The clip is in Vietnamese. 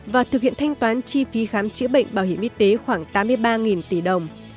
và thực hiện thanh toán chi phí khám chữa bệnh bảo hiểm y tế khoảng tám mươi ba tỷ đồng